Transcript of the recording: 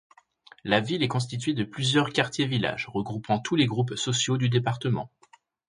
La ville est constituée de plusieurs quartiers-villages regroupant tous les groupes sociaux du département.